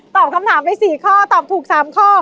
ตอบคำถามไป๔ข้อตอบถูก๓ข้อ